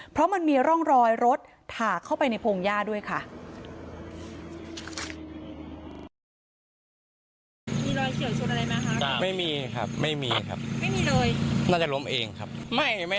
เพราะมันมีร่องรอยรถถากเข้าไปในพงหญ้าด้วยค่ะ